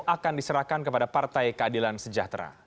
akan diserahkan kepada partai keadilan sejahtera